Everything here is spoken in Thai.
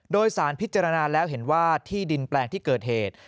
โดยสารพิจารณาแล้วเห็นว่าที่ดินแปลงที่เกิดเหตุ